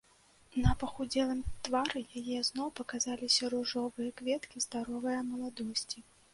На пахудзелым твары яе зноў паказаліся ружовыя кветкі здаровае маладосці.